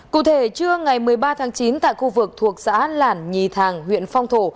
cụ thể trưa ngày một mươi ba tháng chín tại khu vực thuộc xã lản nhì thàng huyện phong thổ